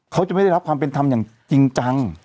เขาจะไม่ได้รับความเป็นธรรมอย่างจริงจัง